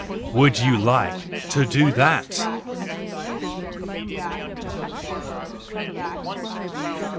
Would you like to do that